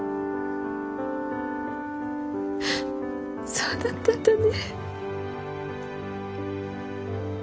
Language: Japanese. そうだったんだね。